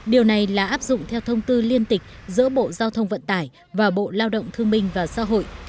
điều này là áp dụng theo thông tư liên tịch giữa bộ giao thông vận tải và bộ lao động thương minh và xã hội